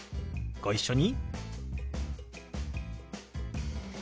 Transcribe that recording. ご一緒に。